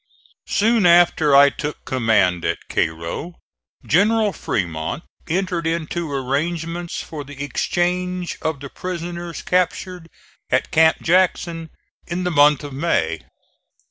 Soon after I took command at Cairo, General Fremont entered into arrangements for the exchange of the prisoners captured at Camp Jackson in the month of May.